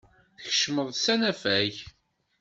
Tkeccmeḍ s anafag.